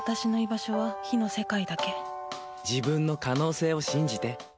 自分の可能性を信じて。